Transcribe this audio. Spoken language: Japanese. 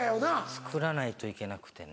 つくらないといけなくてね。